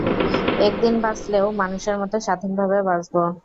একদিন বাঁচলেও, মানুষের মত স্বাধীনভাবে বাঁচব!